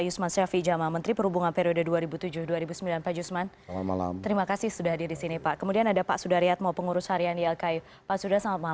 saya ke pak baitul dulu